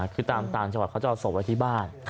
คือตามต่างจังหวัดเขาจะเอาศพไว้ที่บ้าน